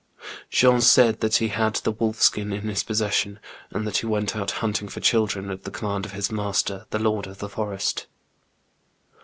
Jean said that he had the wolf skin in his posses sion, and that he went out hunting for children, at the command of his master, the Lord of the Forest.